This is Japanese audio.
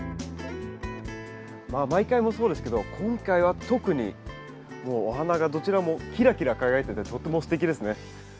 まあ毎回もうそうですけど今回は特にもうお花がどちらもキラキラ輝いててとってもすてきですね。